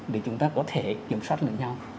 để chúng ta có thể kiểm soát lấy nhau